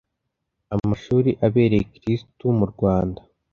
amashuri abereye kristu mu rwanda